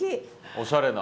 おしゃれな。